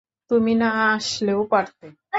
তুমি না আসলেও পারতে।